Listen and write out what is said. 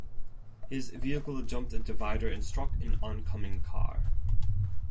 His vehicle jumped a divider and struck an oncoming car.